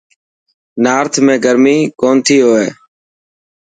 نارٿ ۾ گرمي ڪونٿي هئي.